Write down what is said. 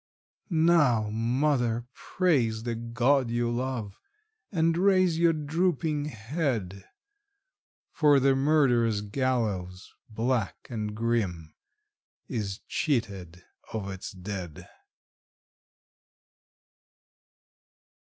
Now, mother, praise the God you love, and raise your drooping head; For the murderous gallows, black and grim, is cheated of its dead!